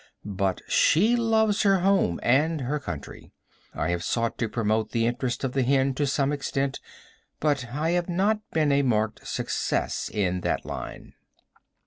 But she loves her home and her country. I have sought to promote the interests of the hen to some extent, but I have not been a marked success in that line.